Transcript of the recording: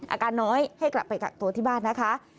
อาการน้อยให้กลับไปกักตัวที่บ้านนะคะ